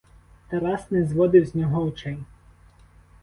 Тарас не зводив з нього очей.